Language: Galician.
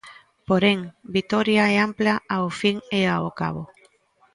Porén, vitoria e ampla ao fin e ao cabo.